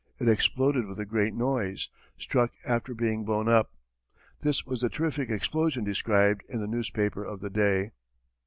It exploded with a great noise; struck after being blown up. This was the terrific explosion described in the newspaper of the day.